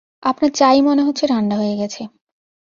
আপনার চা-ই মনে হচ্ছে ঠাণ্ডা হয়ে গেছে।